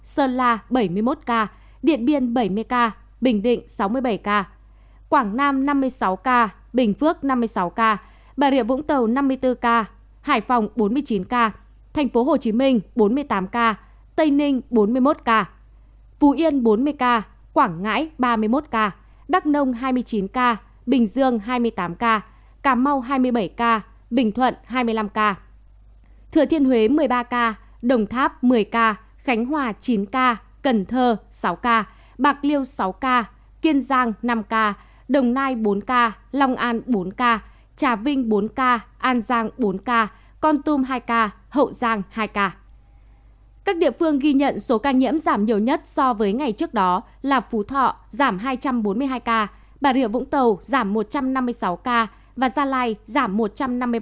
các địa phương ghi nhận số ca nhiễm giảm nhiều nhất so với ngày trước đó là phú thọ giảm hai trăm bốn mươi hai ca bà rịa vũng tàu giảm một trăm năm mươi sáu ca và gia lai giảm một trăm năm mươi ba ca